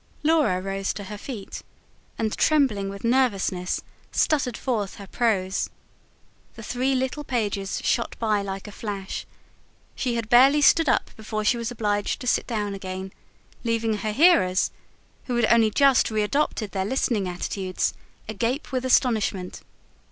Laura rose to her feet and, trembling with nervousness, stuttered forth her prose. The three little pages shot past like a flash; she had barely stood up before she was obliged to sit down again, leaving her hearers, who had only just re adopted their listening attitudes, agape with astonishment.